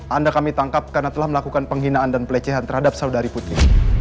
anda kami tangkap karena telah melakukan penghinaan dan pelecehan terhadap saudari putri